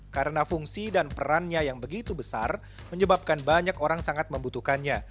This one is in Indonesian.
karena fungsi dan perannya yang begitu besar menyebabkan banyak orang sangat membutuhkannya